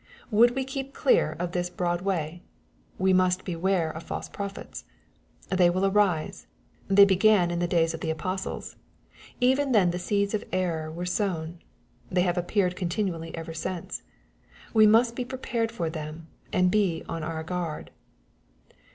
Would we keep clear of this " broad way ?" We must beware of false prophets. They will arise. They began in the days of the apostles. Even then the seeds of error were sown. They have appeared continually ever since. We must be prepared for them, and be on our guard.